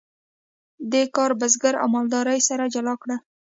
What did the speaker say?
دې کار بزګري او مالداري سره جلا کړل.